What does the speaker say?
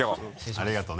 ありがとね。